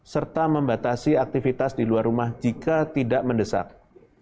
serta membatasi aktivitas di luar rumah jika tidak mendesak